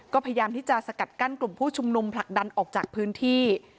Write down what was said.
ก็พยายามที่จะสกัดกั้นกลุ่มผู้ชุมนุมผลักดันออกจากพื้นที่